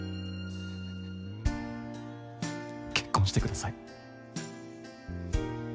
結婚してください。